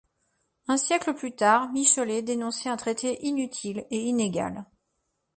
Un siècle plus tard Michelet dénonçait un traité inutile et inégal.